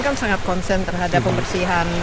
kan sangat konsen terhadap pembersihan